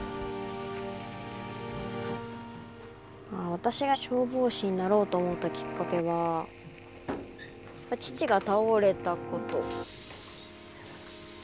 私が消防士になろうと思ったきっかけは父が倒れたこと。